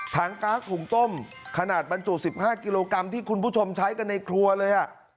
ก๊าซหุ่งต้มขนาดบรรจุ๑๕กิโลกรัมที่คุณผู้ชมใช้กันในครัวเลย